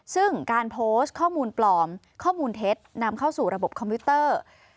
ซึ่งการโพสต์ข้อมูลปลอมข้อมูลเท็จนำเข้าสู่ระบบคอมพิวเตอร์